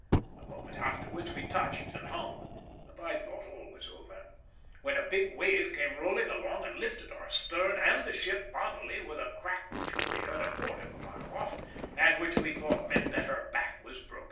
A moment afterwards we touched and hung; and I thought all was over, when a big wave came rolling along and lifted our stern and the ship bodily with a crack which could be heard a quarter of a mile off, and which we thought meant that her back was broken.